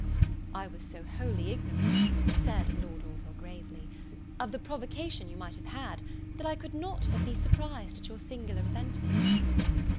"I was so wholly ignorant," said Lord Orville, gravely, "of the provocation you might have had, that I could not but be surprised at your singular resentment."